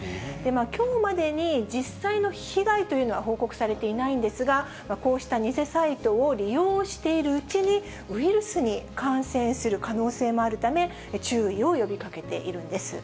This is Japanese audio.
きょうまでに、実際の被害というのは報告されていないんですが、こうした偽サイトを利用しているうちに、ウイルスに感染する可能性もあるため、注意を呼びかけているんです。